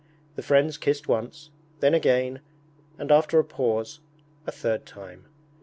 The friends kissed once, then again, and after a pause, a third time.